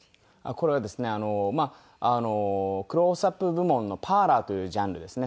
これはですねクロースアップ部門のパーラーというジャンルですね。